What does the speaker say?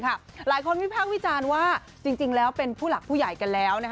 หลายคนวิพากษ์วิจารณ์ว่าจริงแล้วเป็นผู้หลักผู้ใหญ่กันแล้ว